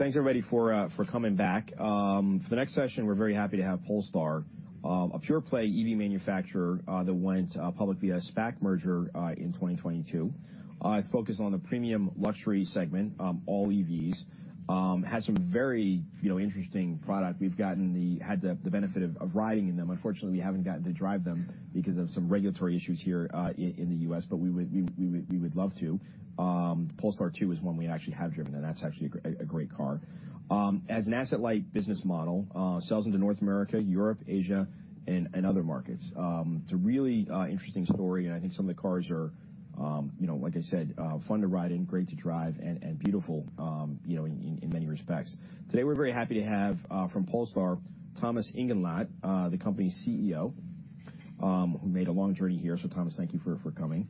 Thanks already for coming back. For the next session, we're very happy to have Polestar, a pure-play EV manufacturer that went public via a SPAC merger in 2022. It's focused on the premium luxury segment, all EVs. Has some very, you know, interesting product. We've gotten the benefit of riding in them. Unfortunately, we haven't gotten to drive them because of some regulatory issues here in the U.S., but we would love to. Polestar 2 is one we actually have driven, and that's actually a great car. As an asset-light business model, sells into North America, Europe, Asia, and other markets. It's a really interesting story, and I think some of the cars are, you know, like I said, fun to ride in, great to drive, and beautiful, you know, in many respects. Today we're very happy to have, from Polestar, Thomas Ingenlath, the company's CEO, who made a long journey here. So, Thomas, thank you for coming,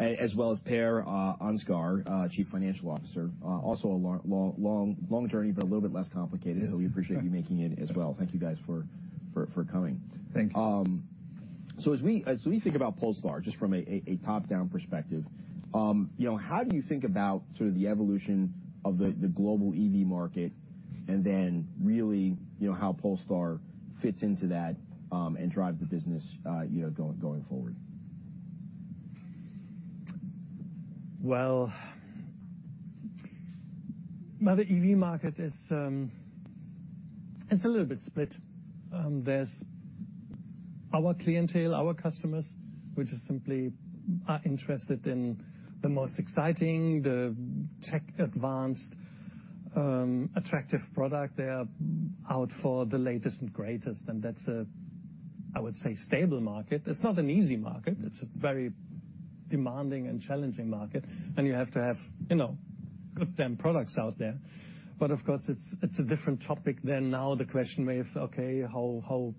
as well as Per Ansgar, Chief Financial Officer, also a long journey, but a little bit less complicated. Mm-hmm. We appreciate you making it as well. Thank you guys for coming. Thank you. So as we think about Polestar, just from a top-down perspective, you know, how do you think about sort of the evolution of the global EV market, and then really, you know, how Polestar fits into that, and drives the business, you know, going forward? Well, now the EV market is... it's a little bit split. There's our clientele, our customers, which are simply are interested in the most exciting, the tech-advanced, attractive product. They are out for the latest and greatest, and that's a, I would say, stable market. It's not an easy market. It's a very demanding and challenging market, and you have to have, you know, good damn products out there. But, of course, it's, it's a different topic than now the question may of, okay, how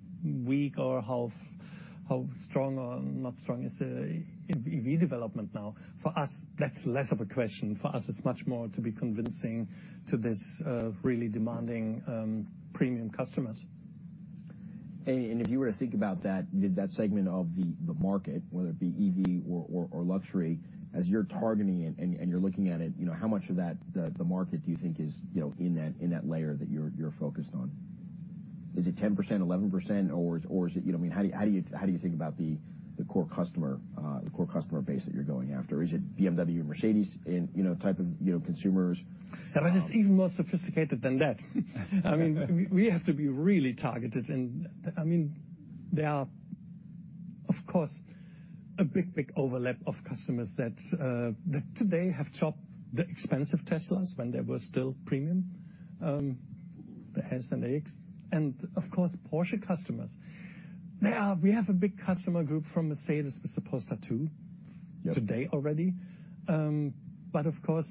weak or how strong or not strong is the EV development now. For us, that's less of a question. For us, it's much more to be convincing to this, really demanding, premium customers. If you were to think about that, does that segment of the market, whether it be EV or luxury, as you're targeting it and you're looking at it, you know, how much of that the market do you think is, you know, in that layer that you're focused on? Is it 10%, 11%, or is it you know, I mean, how do you think about the core customer, the core customer base that you're going after? Is it BMW, Mercedes in, you know, type of, you know, consumers? Yeah, but it's even more sophisticated than that. I mean, we, we have to be really targeted, and I mean, there are, of course, a big, big overlap of customers that today have bought the expensive Teslas when they were still premium, the S and the X, and of course, Porsche customers. There, we have a big customer group from Mercedes with the Polestar 2 today already. But, of course,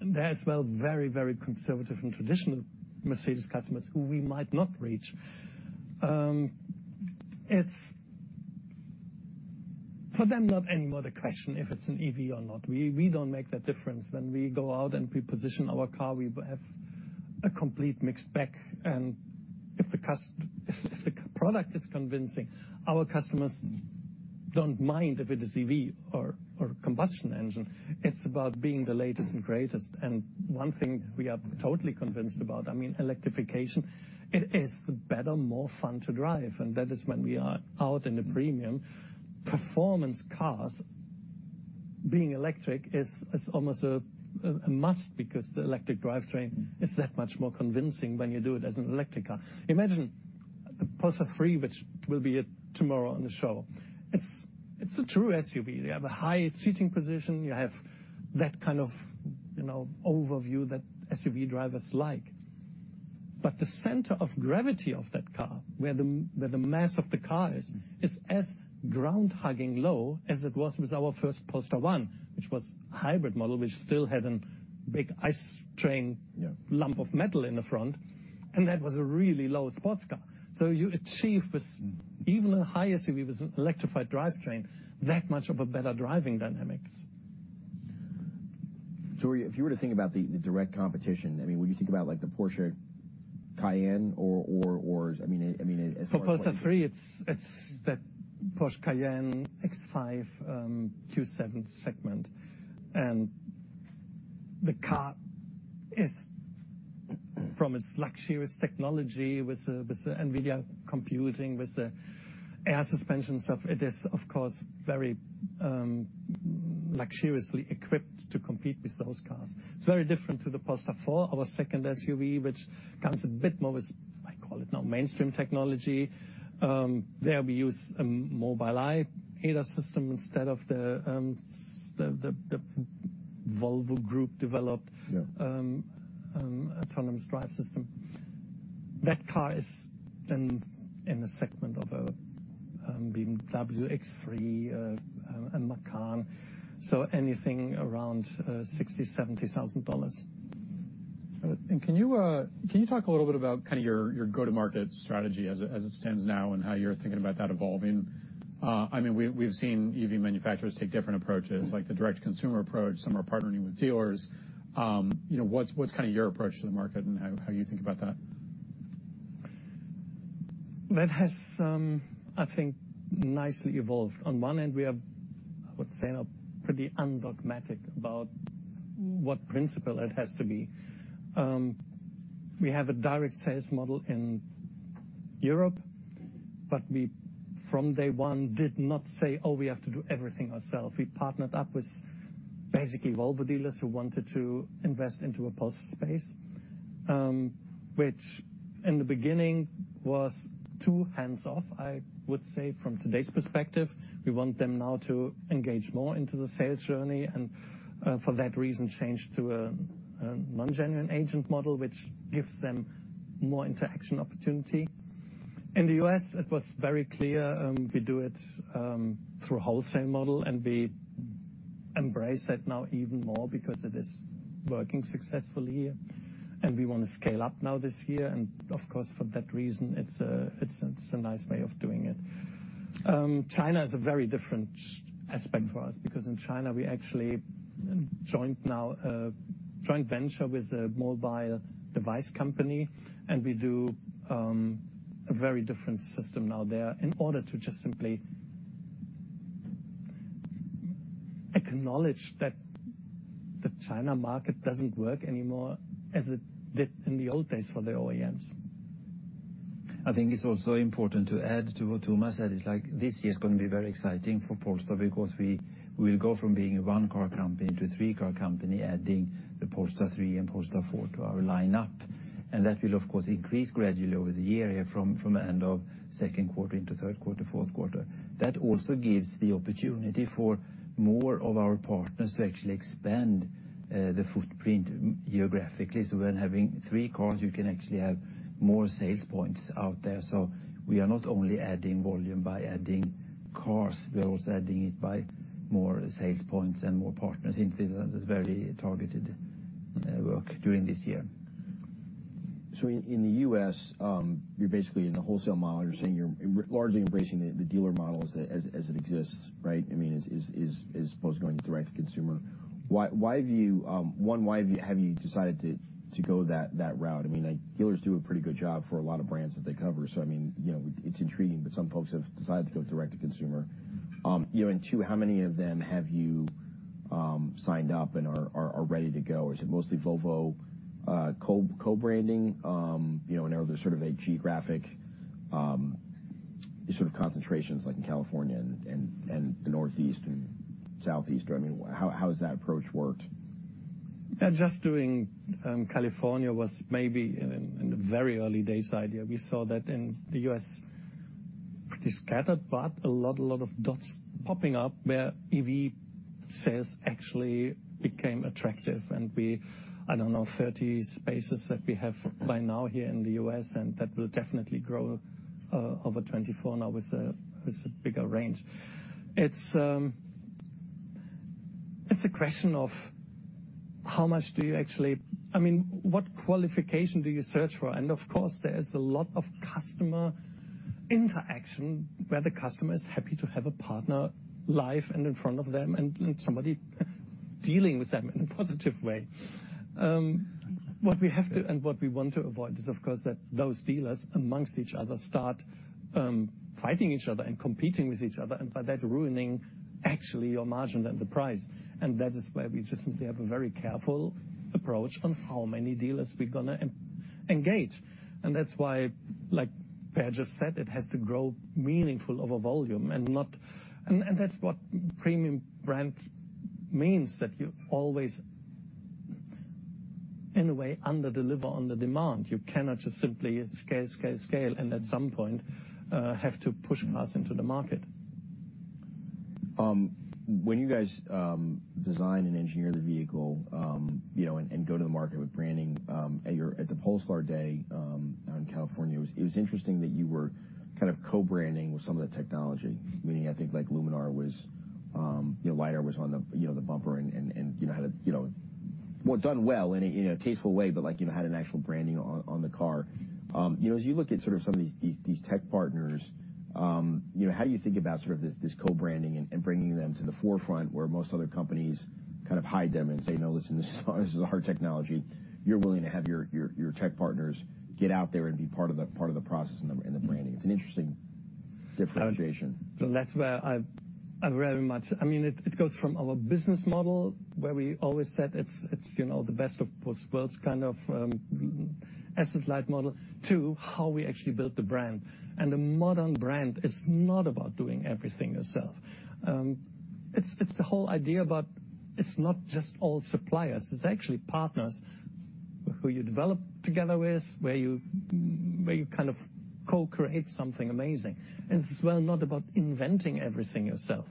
there are as well very, very conservative and traditional Mercedes customers who we might not reach. It's for them, not anymore the question if it's an EV or not. We, we don't make that difference. When we go out and we position our car, we have a complete mixed bag and if the product is convincing, our customers don't mind if it is EV or combustion engine. It's about being the latest and greatest. And one thing we are totally convinced about, I mean, electrification, it is the better, more fun to drive, and that is when we are out in the premium. Performance cars being electric is almost a must because the electric drivetrain is that much more convincing when you do it as an electric car. Imagine the Polestar 3, which will be it tomorrow on the show. It's a true SUV. You have a high seating position. You have that kind of, you know, overview that SUV drivers like but the center of gravity of that car, where the mass of the car is, is as ground-hugging low as it was with our first Polestar 1, which was a hybrid model, which still had a big ICE train- Yeah.... Lump of metal in the front, and that was a really low sports car so you achieve with even a high SUV with an electrified drivetrain that much of a better driving dynamics. If you were to think about the direct competition, I mean, would you think about, like, the Porsche Cayenne or I mean, as far as. For Polestar 3, it's that Porsche Cayenne, X5, Q7 segment. The car is from its luxurious technology with the NVIDIA computing, with the air suspension stuff, it is, of course, very luxuriously equipped to compete with those cars. It's very different to the Polestar 4, our second SUV, which comes a bit more with, I call it now, mainstream technology. There we use a Mobileye ADAS system instead of the Volvo Group developed- Yeah. ... autonomous drive system. That car is then in the segment of a BMW X3, a Macan. So anything around $60,000-$70,000. All right. Can you talk a little bit about kind of your go-to-market strategy as it stands now and how you're thinking about that evolving? I mean, we've seen EV manufacturers take different approaches, like the direct consumer approach. Some are partnering with dealers. You know, what's kind of your approach to the market and how you think about that? That has, I think, nicely evolved. On one end, we are, I would say, now pretty undogmatic about what principle it has to be. We have a direct sales model in Europe, but we, from day one, did not say, "Oh, we have to do everything ourselves." We partnered up with basically Volvo dealers who wanted to invest into a Polestar Space, which in the beginning was too hands-off, I would say, from today's perspective. We want them now to engage more into the sales journey and, for that reason, changed to a non-genuine agent model, which gives them more interaction opportunity. In the U.S., it was very clear, we do it through wholesale model, and we embrace it now even more because it is working successfully here and we want to scale up now this year. Of course, for that reason, it's a nice way of doing it. China is a very different aspect for us because in China, we actually joined now a joint venture with a mobile device company and we do a very different system now there in order to just simply acknowledge that the China market doesn't work anymore as it did in the old days for the OEMs. I think it's also important to add to what Thomas said. It's like this year's going to be very exciting for Polestar because we will go from being a one-car company to a three-car company, adding the Polestar 3 and Polestar 4 to our lineup. That will, of course, increase gradually over the year here from the end of second quarter into third quarter, fourth quarter. That also gives the opportunity for more of our partners to actually expand the footprint geographically. So when having three cars, you can actually have more sales points out there. So we are not only adding volume by adding cars. We are also adding it by more sales points and more partners into the that's very targeted work during this year. So in the U.S., you're basically in the wholesale model. You're saying you're largely embracing the dealer model as supposedly going direct to consumer. Why have you decided to go that route? I mean, like, dealers do a pretty good job for a lot of brands that they cover. So, I mean, you know, it's intriguing, but some folks have decided to go direct to consumer. You know, and two, how many of them have you signed up and are ready to go? Is it mostly Volvo co-branding, you know, in order to sort of a geographic sort of concentrations, like in California and the Northeast and Southeast? Or, I mean, how has that approach worked? Yeah, just doing, California was maybe in the very early days' idea. We saw that in the U.S., pretty scattered, but a lot, a lot of dots popping up where EV sales actually became attractive and we, I don't know, 30 spaces that we have by now here in the U.S., and that will definitely grow, over 24 now with a bigger range. It's a question of how much do you actually I mean, what qualification do you search for? And, of course, there is a lot of customer interaction where the customer is happy to have a partner live and in front of them and somebody dealing with them in a positive way. What we have to and what we want to avoid is, of course, that those dealers amongst each other start fighting each other and competing with each other, and by that, ruining actually your margins and the price. And that is where we just simply have a very careful approach on how many dealers we're going to engage. And that's why, like Per just said, it has to grow meaningful over volume and that's what premium brand means, that you always, in a way, under-deliver on the demand. You cannot just simply scale, scale, scale, and at some point, have to push cars into the market. When you guys design and engineer the vehicle, you know, and go to the market with branding, at the Polestar Day out in California, it was interesting that you were kind of co-branding with some of that technology, meaning, I think, like, Luminar was, you know, LiDAR was on the, you know, the bumper and, you know, had a, you know, well, done well in a, you know, tasteful way, but, like, you know, had an actual branding on the car. You know, as you look at sort of some of these tech partners, you know, how do you think about sort of this co-branding and bringing them to the forefront where most other companies kind of hide them and say, "No, listen, this is a hard technology," you're willing to have your tech partners get out there and be part of the process in the branding? It's an interesting differentiation. That's where I've very much—I mean, it goes from our business model, where we always said it's, you know, the best of both worlds kind of asset-light model, to how we actually build the brand. And the modern brand is not about doing everything yourself. It's the whole idea about—it's not just all suppliers. It's actually partners who you develop together with, where you kind of co-create something amazing. And it's as well not about inventing everything yourself.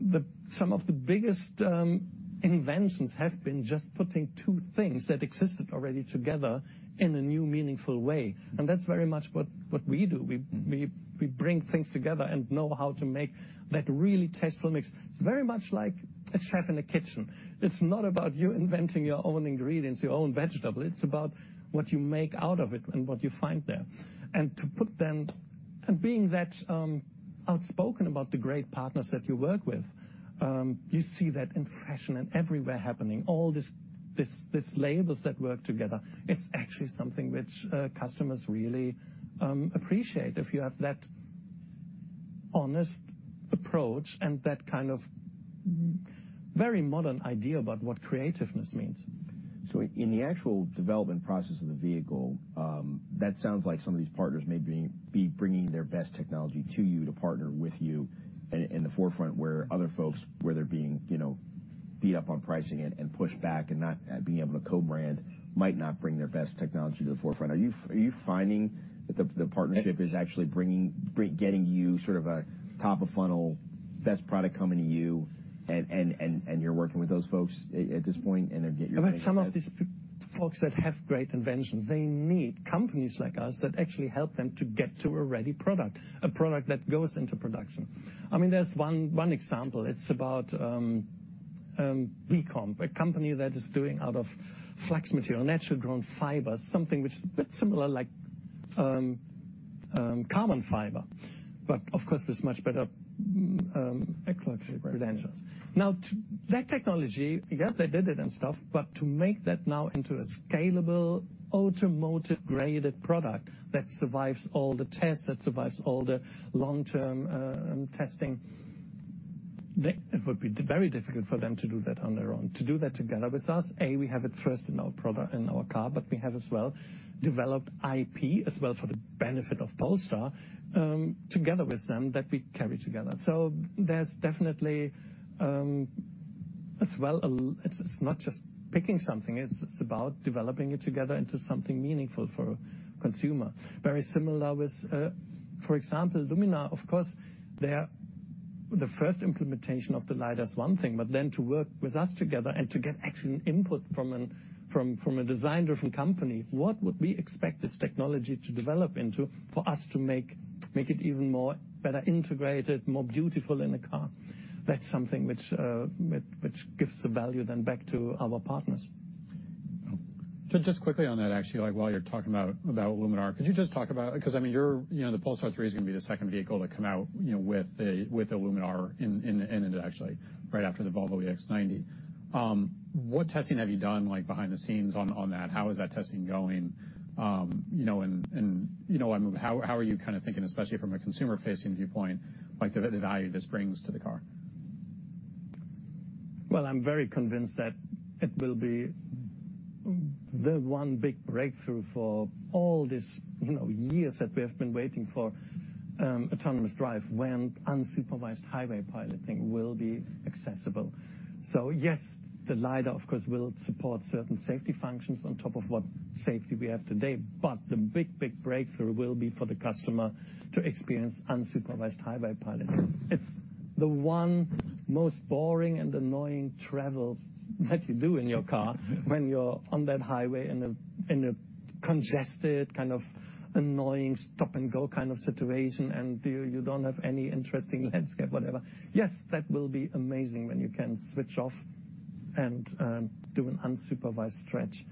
Then some of the biggest inventions have been just putting two things that existed already together in a new, meaningful way and that's very much what we do. We bring things together and know how to make that really tasteful mix. It's very much like a chef in a kitchen. It's not about you inventing your own ingredients, your own vegetable. It's about what you make out of it and what you find there. And to put them and being that outspoken about the great partners that you work with, you see that in fashion and everywhere happening, all this labels that work together. It's actually something which customers really appreciate if you have that honest approach and that kind of very modern idea about what creativeness means. So in the actual development process of the vehicle, that sounds like some of these partners may be bringing their best technology to you to partner with you in the forefront where other folks, where they're being, you know, beat up on pricing and pushed back and not being able to co-brand might not bring their best technology to the forefront. Are you finding that the partnership is actually bringing getting you sort of a top-of-funnel, best product coming to you, and you're working with those folks at this point, and they're getting your main product? About some of these folks that have great inventions, they need companies like us that actually help them to get to a ready product, a product that goes into production. I mean, there's one example. It's about Bcomp, a company that is doing out of flax material, natural-grown fibers, something which is a bit similar, like, carbon fiber, but, of course, with much better ecological credentials. Now, to that technology, yeah, they did it and stuff, but to make that now into a scalable, automotive-grade product that survives all the tests, that survives all the long-term testing, it would be very difficult for them to do that on their own. To do that together with us, A, we have it first in our product in our car, but we have as well developed IP as well for the benefit of Polestar, together with them that we carry together. So there's definitely, as well, it's not just picking something. It's about developing it together into something meaningful for a consumer. Very similar with, for example, Luminar, of course, they're the first implementation of the LiDAR is one thing, but then to work with us together and to get actually an input from a designer from company, what would we expect this technology to develop into for us to make it even more better integrated, more beautiful in a car? That's something which gives the value then back to our partners. So just quickly on that, actually, like, while you're talking about Luminar, could you just talk about because, I mean, you know, the Polestar 3 is going to be the second vehicle to come out, you know, with the Luminar in it actually, right after the Volvo EX90. What testing have you done, like, behind the scenes on that? How is that testing going? You know, and you know, how are you kind of thinking, especially from a consumer-facing viewpoint, like, the value this brings to the car? Well, I'm very convinced that it will be the one big breakthrough for all this, you know, years that we have been waiting for, autonomous drive when unsupervised highway piloting will be accessible. So yes, the LiDAR, of course, will support certain safety functions on top of what safety we have today, but the big, big breakthrough will be for the customer to experience unsupervised highway piloting. It's the one most boring and annoying travel that you do in your car when you're on that highway in a congested kind of annoying stop-and-go kind of situation, and you don't have any interesting landscape, whatever. Yes, that will be amazing when you can switch off and do an unsupervised stretch.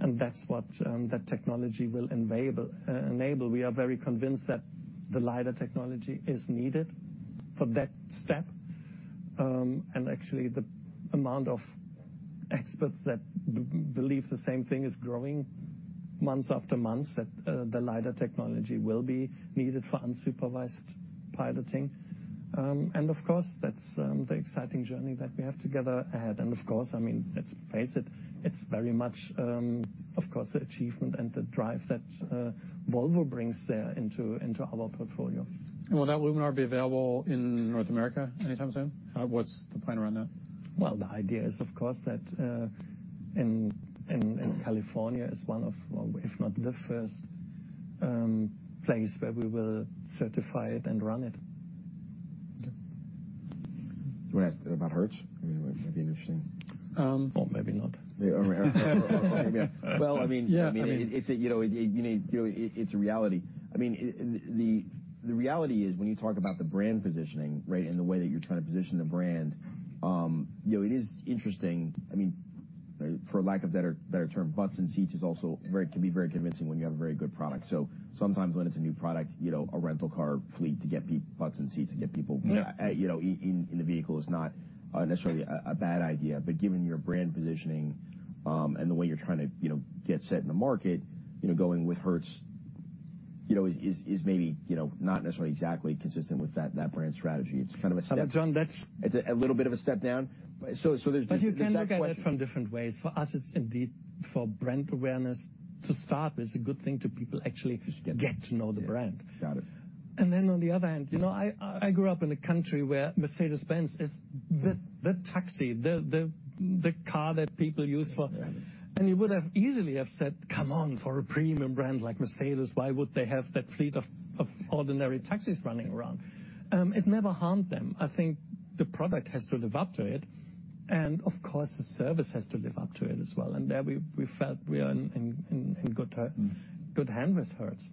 And that's what that technology will enable. We are very convinced that the LiDAR technology is needed for that step. Actually, the amount of experts that believe the same thing is growing months after months that the LiDAR technology will be needed for unsupervised piloting. Of course, that's the exciting journey that we have together ahead. Of course, I mean, let's face it, it's very much, of course, the achievement and the drive that Volvo brings there into, into our portfolio. Will that Luminar be available in North America anytime soon? What's the plan around that? Well, the idea is, of course, that in California is one of, well, if not the first place where we will certify it and run it. Okay. Do you want to ask about Hertz? I mean, it might be interesting. Or maybe not. Yeah, or maybe. Yeah. Well, I mean, it's a, you know, reality. I mean, the reality is when you talk about the brand positioning, right, and the way that you're trying to position the brand, you know, it is interesting. I mean, for lack of better term, butts in seats is also very convincing when you have a very good product. So sometimes when it's a new product, you know, a rental car fleet to get butts in seats to get people, you know, in the vehicle is not necessarily a bad idea. But given your brand positioning, and the way you're trying to, you know, get set in the market, you know, going with Hertz, you know, is maybe, you know, not necessarily exactly consistent with that brand strategy. It's kind of a step. John, that's. It's a little bit of a step down. So, there's different perspectives. But you can look at it from different ways. For us, it's indeed for brand awareness to start, it's a good thing to people actually get to know the brand. Got it. And then on the other hand, you know, I grew up in a country where Mercedes-Benz is the taxi, the car that people use, and you would have easily said, "Come on, for a premium brand like Mercedes, why would they have that fleet of ordinary taxis running around?" It never harmed them. I think the product has to live up to it. And, of course, the service has to live up to it as well. And there we felt we are in good hands with Hertz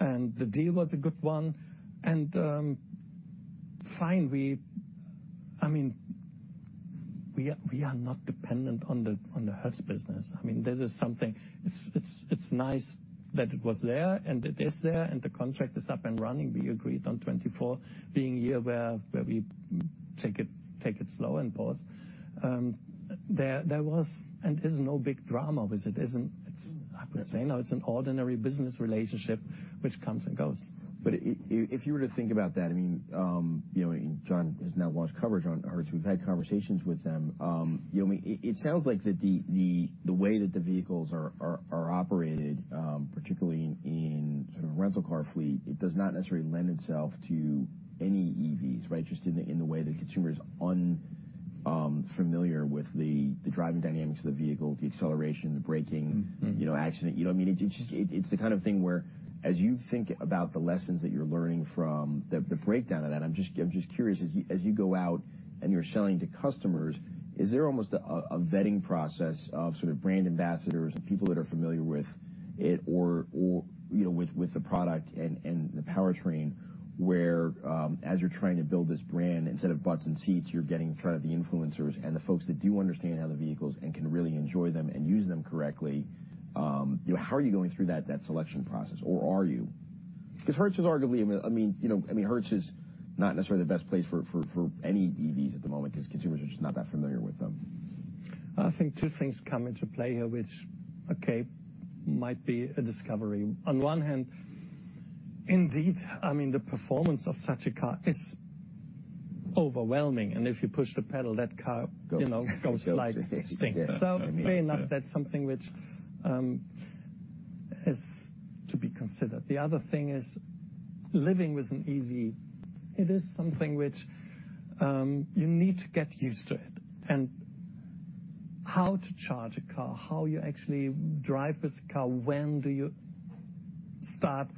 and the deal was a good one. And, fine, we, I mean, we are not dependent on the Hertz business. I mean, this is something it's nice that it was there, and it is there, and the contract is up and running. We agreed on 2024 being a year where we take it slow and pause. There was and there's no big drama with it. It's, I would say now, it's an ordinary business relationship which comes and goes. But if you were to think about that, I mean, you know, and John has now launched coverage on Hertz. We've had conversations with them. You know, I mean, it sounds like the way that the vehicles are operated, particularly in sort of a rental car fleet, it does not necessarily lend itself to any EVs, right? Just in the way that consumer is unfamiliar with the driving dynamics of the vehicle, the acceleration, the braking, you know, accident. You know, I mean, it just it's the kind of thing where as you think about the lessons that you're learning from the breakdown of that, I'm just curious, as you go out and you're selling to customers, is there almost a vetting process of sort of brand ambassadors, people that are familiar with it or, you know, with the product and the powertrain where, as you're trying to build this brand, instead of butts in seats, you're getting in front of the influencers and the folks that do understand how the vehicles and can really enjoy them and use them correctly, you know, how are you going through that selection process, or are you? Because Hertz is arguably, I mean, you know, I mean, Hertz is not necessarily the best place for any EVs at the moment because consumers are just not that familiar with them. I think two things come into play here which, okay, might be a discovery. On one hand, indeed, I mean, the performance of such a car is overwhelming. And if you push the pedal, that car, you know, goes like stink. So fair enough, that's something which is to be considered. The other thing is living with an EV, it is something which you need to get used to it. And how to charge a car, how you actually drive this car, when do you start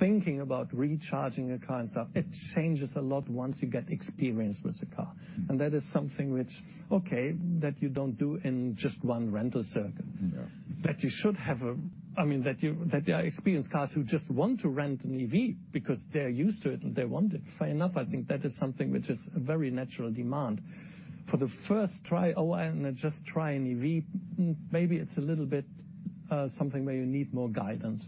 thinking about recharging a car and stuff, it changes a lot once you get experience with the car and that is something which, okay, that you don't do in just one rental circuit, that you should, I mean, there are experienced cars who just want to rent an EV because they're used to it and they want it. Fair enough, I think that is something which is a very natural demand. For the first try, "Oh, I'm going to just try an EV," maybe it's a little bit, something where you need more guidance.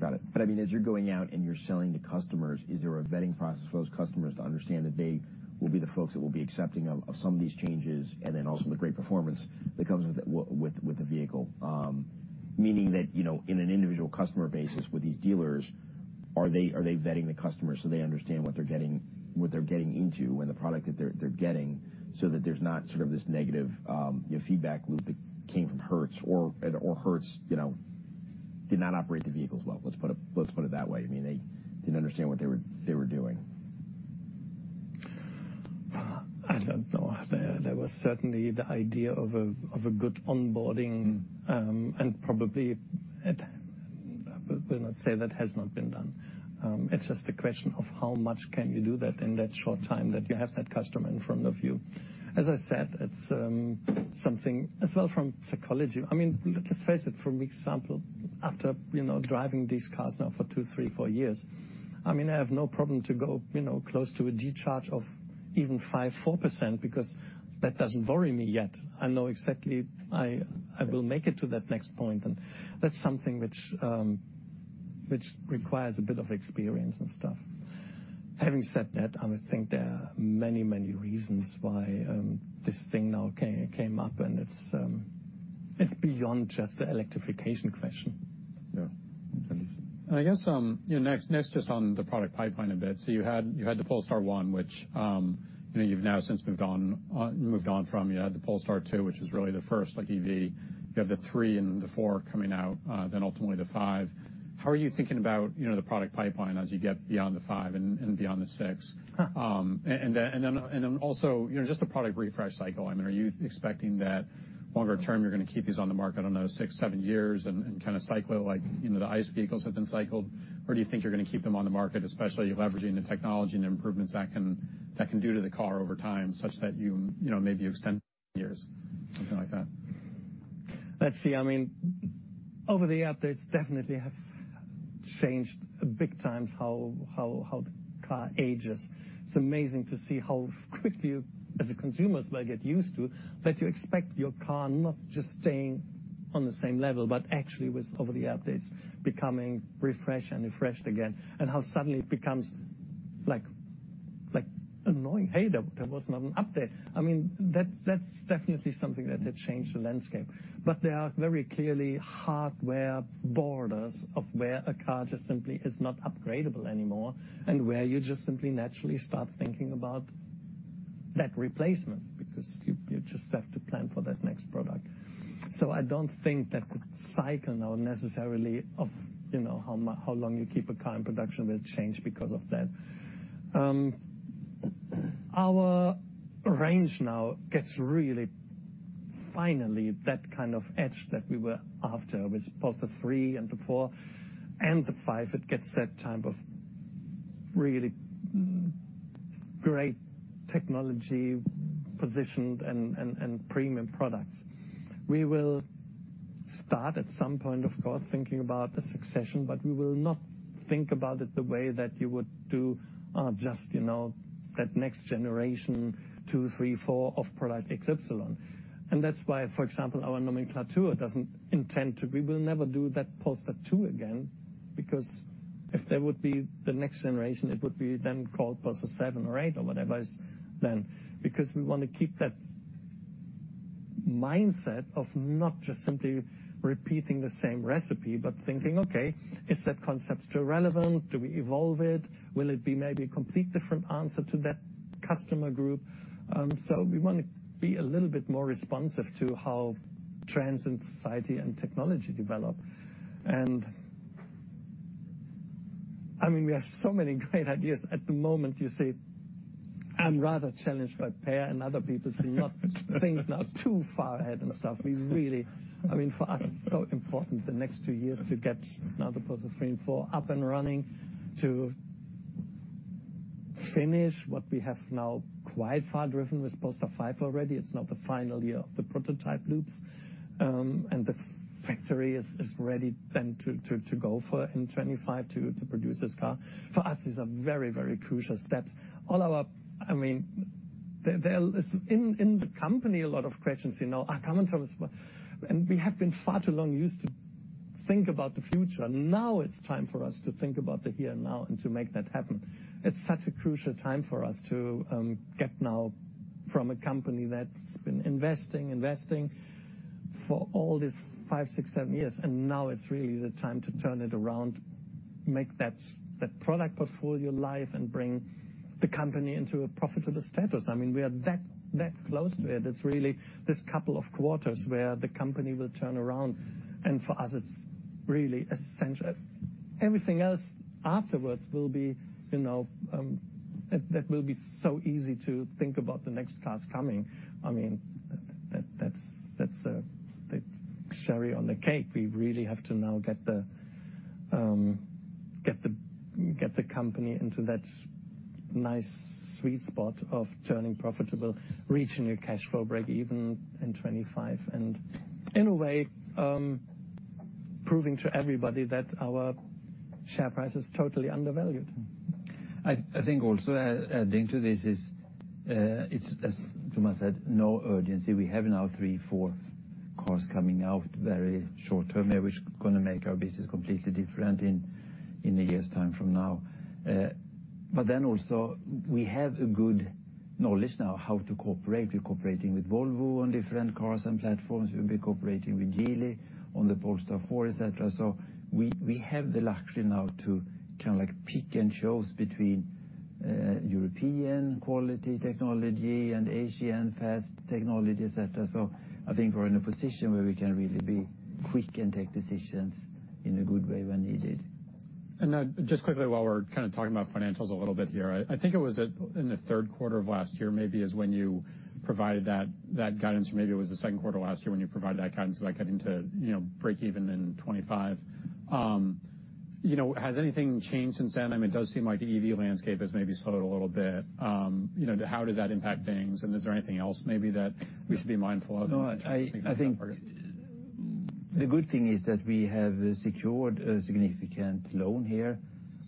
Got it. But I mean, as you're going out and you're selling to customers, is there a vetting process for those customers to understand that they will be the folks that will be accepting of some of these changes and then also the great performance that comes with it with the vehicle? Meaning that, you know, in an individual customer basis with these dealers, are they vetting the customers so they understand what they're getting into and the product that they're getting so that there's not sort of this negative, you know, feedback loop that came from Hertz or Hertz, you know, did not operate the vehicles well. Let's put it that way. I mean, they didn't understand what they were doing. I don't know. There was certainly the idea of a good onboarding, and probably I will not say that it has not been done. It's just a question of how much can you do that in that short time that you have that customer in front of you. As I said, it's something as well from psychology. I mean, let's face it, for example, after, you know, driving these cars now for two, three, four years, I mean, I have no problem to go, you know, close to a discharge of even 5%-4% because that doesn't worry me yet. I know exactly I will make it to that next point and that's something which requires a bit of experience and stuff. Having said that, I would think there are many, many reasons why this thing now came up, and it's beyond just the electrification question. Yeah. I guess, you know, next just on the product pipeline a bit. So you had the Polestar 1 which, you know, you've now since moved on, moved on from. You had the Polestar 2 which was really the first, like, EV. You have the 3 and the 4 coming out, then ultimately the 5. How are you thinking about, you know, the product pipeline as you get beyond the 5 and beyond the 6? And then also, you know, just the product refresh cycle, I mean, are you expecting that longer term, you're going to keep these on the market, I don't know, six, seven years and kind of cycle it like, you know, the ICE vehicles have been cycled? Or do you think you're going to keep them on the market, especially leveraging the technology and the improvements that can do to the car over time such that you, you know, maybe you extend years, something like that? Let's see. I mean, over the years, it's definitely have changed big times how the car ages. It's amazing to see how quickly you, as a consumer, start to get used to that you expect your car not just staying on the same level, but actually with over the years, it's becoming refreshed and refreshed again and how suddenly it becomes, like, annoying. "Hey, there was not an update." I mean, that's definitely something that had changed the landscape. But there are very clearly hardware borders of where a car just simply is not upgradable anymore and where you just simply naturally start thinking about that replacement because you just have to plan for that next product. So I don't think that the cycle now necessarily of, you know, how long you keep a car in production will change because of that. Our range now gets really finally that kind of edge that we were after with Polestar 3 and the 4 and the 5. It gets that type of really great technology positioned and premium products. We will start at some point, of course, thinking about a succession, but we will not think about it the way that you would do, just, you know, that next generation, two, three, four of product XY. And that's why, for example, our nomenclature doesn't intend to. We will never do that Polestar 2 again because if there would be the next generation, it would be then called Polestar 7 or 8 or whatever it's then because we want to keep that mindset of not just simply repeating the same recipe, but thinking, "Okay, is that conceptual relevant? Do we evolve it? Will it be maybe a complete different answer to that customer group?" So we want to be a little bit more responsive to how trends in society and technology develop. I mean, we have so many great ideas. At the moment, you see, I'm rather challenged by Per and other people to not think now too far ahead and stuff. We really I mean, for us, it's so important the next two years to get now the Polestar 3 and 4 up and running, to finish what we have now quite far driven with Polestar 5 already. It's now the final year of the prototype loops and the factory is ready then to go for in 2025 to produce this car. For us, these are very, very crucial steps. Follow up, I mean, there is in the company. A lot of questions, you know, are coming from and we have been far too long used to think about the future. Now it's time for us to think about the here and now and to make that happen. It's such a crucial time for us to get now from a company that's been investing, investing for all these five, six, seven years. And now it's really the time to turn it around, make that, that product portfolio live, and bring the company into a profitable status. I mean, we are that, that close to it. It's really this couple of quarters where the company will turn around. And for us, it's really essential. Everything else afterwards will be, you know, that will be so easy to think about the next cars coming. I mean, that's the cherry on the cake. We really have to now get the company into that nice, sweet spot of turning profitable, reaching a cash flow break even in 2025, and in a way, proving to everybody that our share price is totally undervalued. I think also adding to this is, it's, as Thomas said, no urgency. We have now 3, 4 cars coming out very short term here which is going to make our business completely different in a year's time from now. Then also, we have a good knowledge now how to cooperate. We're cooperating with Volvo on different cars and platforms. We'll be cooperating with Geely on the Polestar 4, etc. So we have the luxury now to kind of like pick and choose between European quality technology and Asian fast technology, etc. So I think we're in a position where we can really be quick and take decisions in a good way when needed. And now, just quickly, while we're kind of talking about financials a little bit here, I think it was in the third quarter of last year maybe is when you provided that guidance, or maybe it was the second quarter last year when you provided that guidance about getting to, you know, break even in 2025. You know, has anything changed since then? I mean, it does seem like the EV landscape has maybe slowed a little bit. You know, how does that impact things? And is there anything else maybe that we should be mindful of? No, I think the good thing is that we have secured a significant loan here,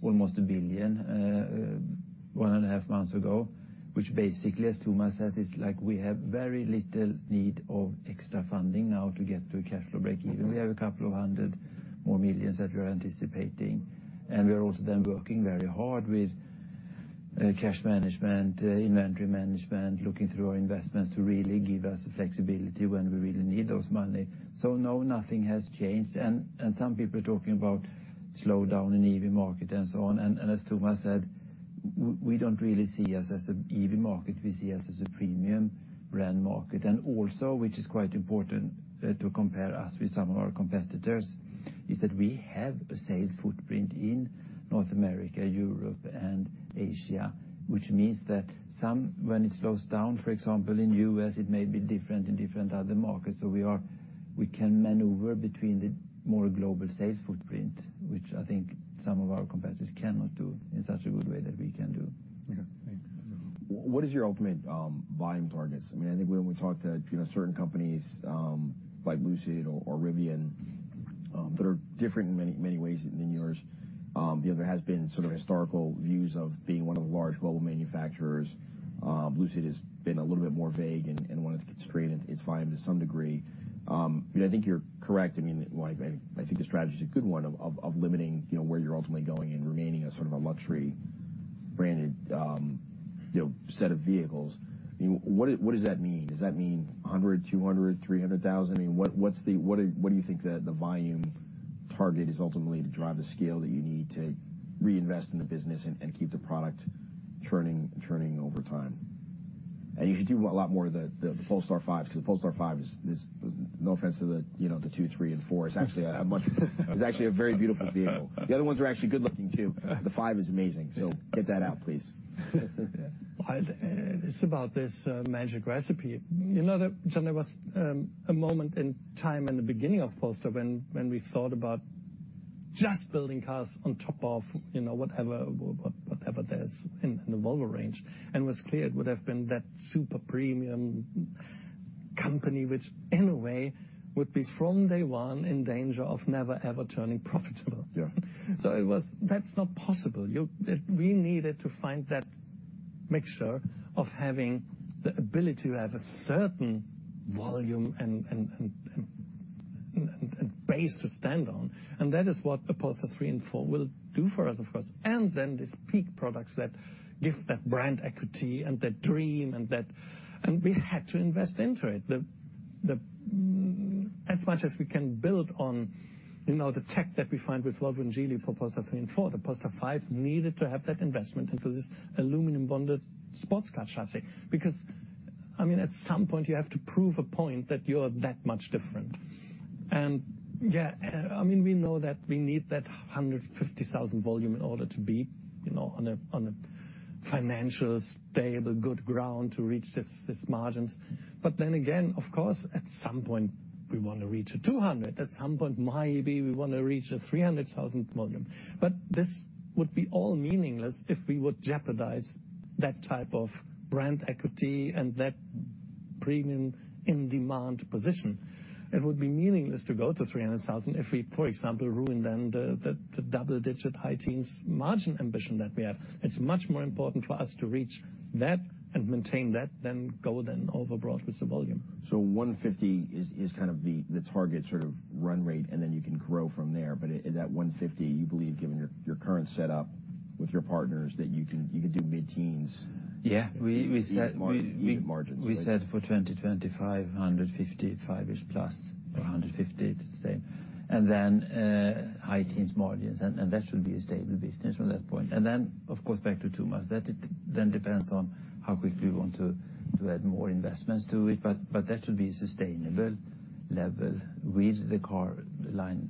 almost $1 billion, 1.5 months ago, which basically, as Thomas said, it's like we have very little need of extra funding now to get to a cash flow break even. We have a couple of hundred million more that we are anticipating. And we are also then working very hard with cash management, inventory management, looking through our investments to really give us flexibility when we really need those money. So no, nothing has changed. And some people are talking about slowdown in the EV market and so on. And as Thomas said, we, we don't really see us as an EV market. We see us as a premium brand market. And also, which is quite important to compare us with some of our competitors, is that we have a sales footprint in North America, Europe, and Asia, which means that sometimes when it slows down, for example, in the U.S., it may be different in different other markets. So we can maneuver between the more global sales footprint, which I think some of our competitors cannot do in such a good way that we can do. Okay. Thank you. What is your ultimate buying targets? I mean, I think when we talk to you know certain companies, like Lucid or Rivian, that are different in many, many ways than yours, you know, there has been sort of historical views of being one of the large global manufacturers. Lucid has been a little bit more vague and wanted to constrain its buying to some degree. You know, I think you're correct. I mean, like, I think the strategy is a good one of limiting you know where you're ultimately going and remaining a sort of a luxury branded you know set of vehicles. I mean, what does what does that mean? Does that mean a hundred, 200, 300,000? I mean, what do you think that the volume target is ultimately to drive the scale that you need to reinvest in the business and keep the product churning over time? And you should do a lot more of the Polestar 5s because the Polestar 5 is, no offense to the, you know, the 2, 3, and 4. It's actually a very beautiful vehicle. The other ones are actually good-looking too. The 5 is amazing. So get that out, please. Well, it's about this magic recipe. You know that, John, there was a moment in time in the beginning of Polestar when we thought about just building cars on top of, you know, whatever there's in the Volvo range. It was clear it would have been that super premium company which, in a way, would be from day one in danger of never, ever turning profitable. Yeah. So it was, that's not possible. We needed to find that mixture of having the ability to have a certain volume and base to stand on. That is what a Polestar 3 and 4 will do for us, of course. Then these peak products that give that brand equity and that dream and we had to invest into it. As much as we can build on, you know, the tech that we find with Volvo and Geely for Polestar 3 and 4, the Polestar 5 needed to have that investment into this aluminum-bonded sports car chassis because, I mean, at some point, you have to prove a point that you're that much different. Yeah, I mean, we know that we need that 150,000 volume in order to be, you know, on a financially stable, good ground to reach these margins. But then again, of course, at some point, we want to reach 200,000. At some point, maybe we want to reach 300,000 volume. But this would be all meaningless if we would jeopardize that type of brand equity and that premium in-demand position. It would be meaningless to go to 300,000 if we, for example, ruin the double-digit high-teens margin ambition that we have. It's much more important for us to reach that and maintain that than go overboard with the volume. So 150, is kind of the target sort of run rate, and then you can grow from there. But at 150, you believe, given your current setup with your partners, that you can do mid-teens margins? Yeah. We set for 2025, 155-ish+ or 150, it's the same. And then, high teens margins and that should be a stable business from that point. And then, of course, back to Thomas, that it then depends on how quickly we want to add more investments to it. But that should be a sustainable level with the car line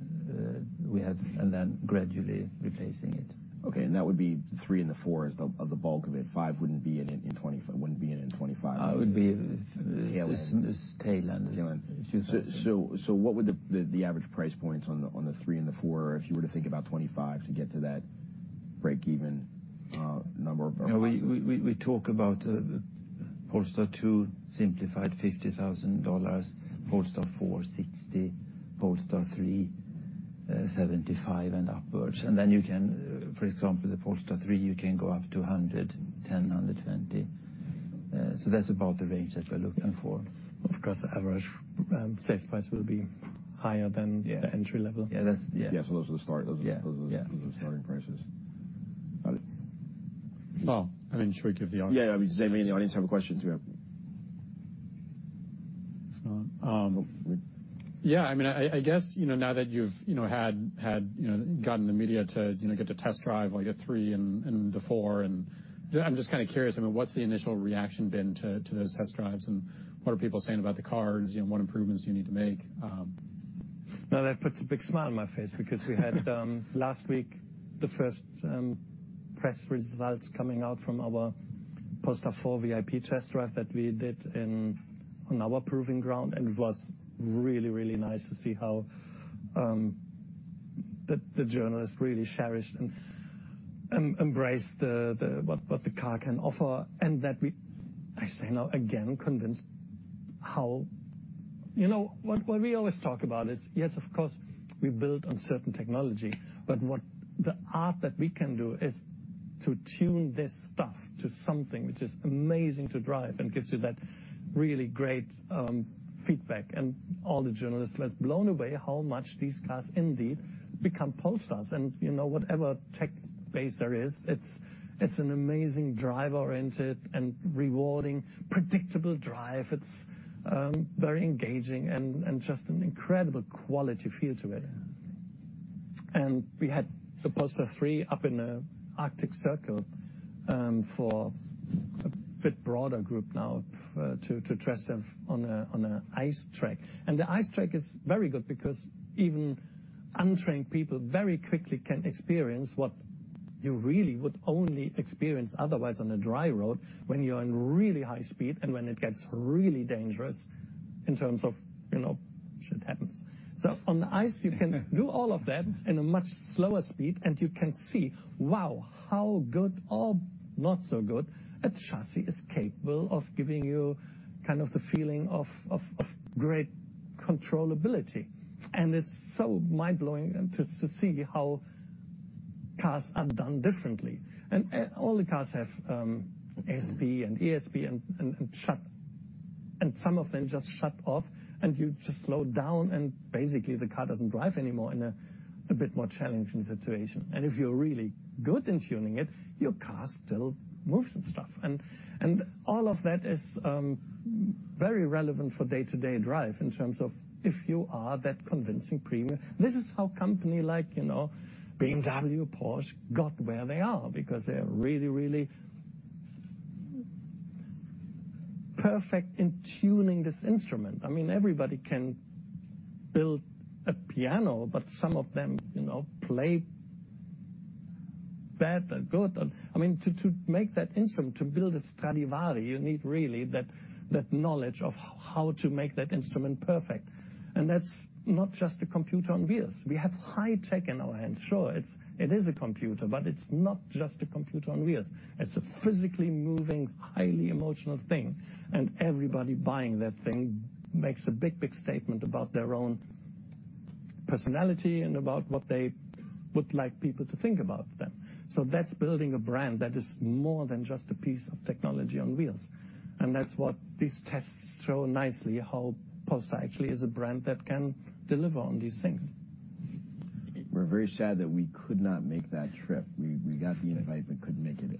we have and then gradually replacing it. Okay. That would be the 3 and the 4 as the bulk of it. 5 wouldn't be in 2025, wouldn't be in 2025. That would be tail end. Tail end. So, what would the average price points on the 3 and the 4 if you were to think about 2025 to get to that break-even, number of cars? Yeah. We talk about Polestar 2 simplified, $50,000, Polestar 4, $60,000, Polestar 3, $75,000 and upwards and then you can for example, the Polestar 3, you can go up to $110,000-$120,000. So that's about the range that we're looking for. Of course, the average sales price will be higher than the entry level. Yeah. Yeah. That's, yeah. Yeah. So those are the starting prices. Yeah. Got it. Oh, I mean, should we give the audience? Yeah. I mean, does anybody in the audience have a question to have? If not, Yeah. I mean, I guess, you know, now that you've, you know, had you know, gotten the media to, you know, get to test drive like a 3 and the 4, and I'm just kind of curious. I mean, what's the initial reaction been to those test drives, and what are people saying about the cars, you know, what improvements do you need to make? No, that puts a big smile on my face because we had, last week, the first press results coming out from our Polestar 4 VIP test drive that we did on our proving ground. And it was really, really nice to see how the journalists really cherished and embraced what the car can offer. And that, I say now again, convinced how you know what we always talk about is, yes, of course, we build on certain technology, but what the art that we can do is to tune this stuff to something which is amazing to drive and gives you that really great feedback. And all the journalists were blown away how much these cars indeed become Polestars. And, you know, whatever tech base there is, it's an amazing driver-oriented and rewarding, predictable drive. It's very engaging and just an incredible quality feel to it. We had the Polestar 3 up in the Arctic Circle for a bit broader group now to test them on an ice track and the ice track is very good because even untrained people very quickly can experience what you really would only experience otherwise on a dry road when you're in really high speed and when it gets really dangerous in terms of, you know, shit happens. So on the ice, you can do all of that in a much slower speed, and you can see, wow, how good or not so good a chassis is capable of giving you kind of the feeling of great controllability. It's so mind-blowing to see how cars are done differently. All the cars have ESP, and some of them just shut off, and you just slow down, and basically, the car doesn't drive anymore in a bit more challenging situation. If you're really good in tuning it, your car still moves and stuff. All of that is very relevant for day-to-day drive in terms of if you are that convincing premium. This is how company like, you know, BMW, Porsche got where they are because they're really, really perfect in tuning this instrument. I mean, everybody can build a piano, but some of them, you know, play bad or good. I mean, to make that instrument, to build a Stradivarius, you need really that knowledge of how to make that instrument perfect. That's not just a computer on wheels. We have high tech in our hands. Sure, it is a computer, but it's not just a computer on wheels. It's a physically moving, highly emotional thing. And everybody buying that thing makes a big, big statement about their own personality and about what they would like people to think about them. So that's building a brand that is more than just a piece of technology on wheels. And that's what these tests show nicely, how Polestar actually is a brand that can deliver on these things. We're very sad that we could not make that trip. We got the invite but couldn't make it.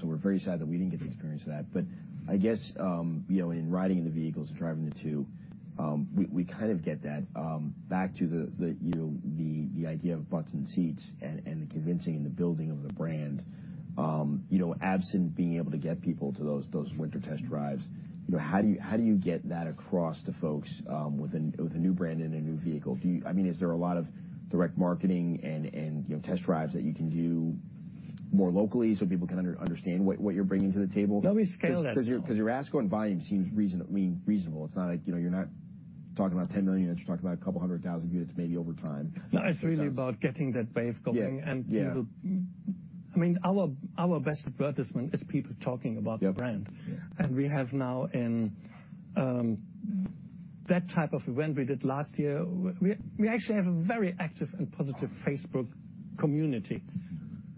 So we're very sad that we didn't get the experience of that. But I guess, you know, in riding in the vehicles and driving the two, we kind of get that. Back to the, you know, the idea of button seats and the convincing and the building of the brand, you know, absent being able to get people to those winter test drives, you know, how do you get that across to folks with a new brand and a new vehicle? Do you, I mean, is there a lot of direct marketing and test drives that you can do more locally so people can understand what you're bringing to the table? No, we scale that. Because your asking volume seems reasonable, I mean. It's not like, you know, you're not talking about 10 million units. You're talking about a couple hundred thousand units maybe over time. No, it's really about getting that wave going. And people, Yeah. Yeah. I mean, our best advertisement is people talking about the brand. And we have now, in that type of event we did last year, we actually have a very active and positive Facebook community.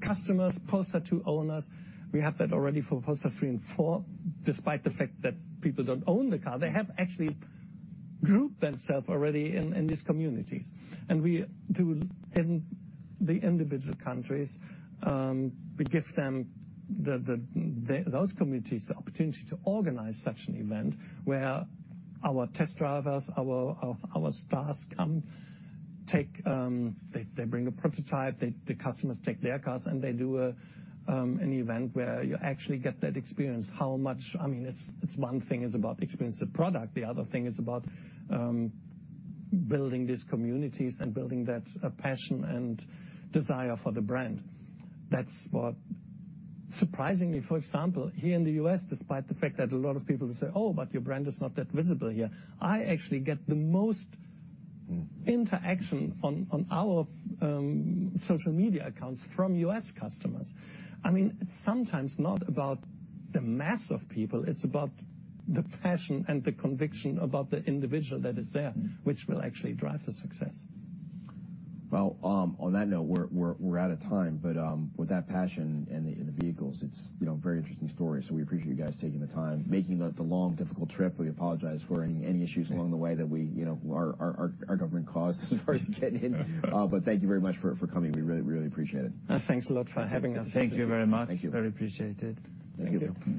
Customers, Polestar 2 owners, we have that already for Polestar 3 and 4, despite the fact that people don't own the car. They have actually grouped themselves already in these communities. And in the individual countries, we give those communities the opportunity to organize such an event where our test drivers, our stars come take, they bring a prototype. The customers take their cars, and they do an event where you actually get that experience. How much, I mean, it's one thing is about experiencing the product. The other thing is about building these communities and building that passion and desire for the brand. That's what surprisingly, for example, here in the U.S., despite the fact that a lot of people say, "Oh, but your brand is not that visible here," I actually get the most interaction on our social media accounts from U.S. customers. I mean, it's sometimes not about the mass of people. It's about the passion and the conviction about the individual that is there, which will actually drive the success. Well, on that note, we're out of time. But, with that passion and the vehicles, it's, you know, a very interesting story. So we appreciate you guys taking the time, making the long, difficult trip. We apologize for any issues along the way that we, you know, our government caused as far as you get in. But thank you very much for coming. We really, really appreciate it. Thanks a lot for having us. Thank you very much. Thank you. Very appreciated. Thank you.